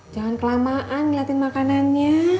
jangan kelamaan ngeliatin makanannya